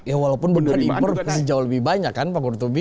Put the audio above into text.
ya walaupun beneran impor pasti jauh lebih banyak kan pak burtubi